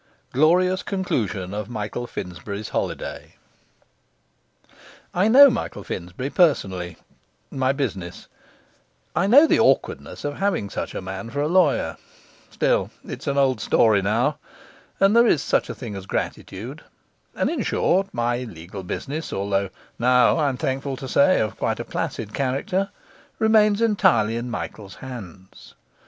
Glorious Conclusion of Michael Finsbury's Holiday I know Michael Finsbury personally; my business I know the awkwardness of having such a man for a lawyer still it's an old story now, and there is such a thing as gratitude, and, in short, my legal business, although now (I am thankful to say) of quite a placid character, remains entirely in Michael's hands.